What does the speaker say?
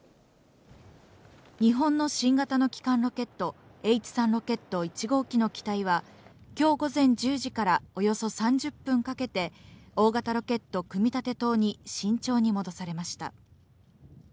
日本の新型の基幹ロケット、Ｈ３ロケット１号機の機体は、きょう午前１０時からおよそ３０分かけて、大型ロケット組み立て棟に慎重に戻されました。